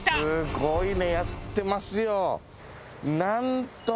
すごいねやってますよ。